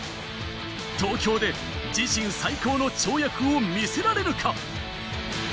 東京で自身最高の跳躍を見せられるか。